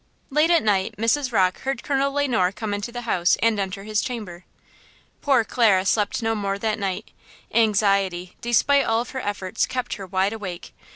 Late at night Mrs. Rocke heard Colonel Le Noir come into the house and enter his chamber. Poor Clara slept no more that night; anxiety, despite of all her efforts, kept her wide awake.